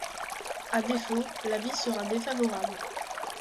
À défaut, l’avis sera défavorable.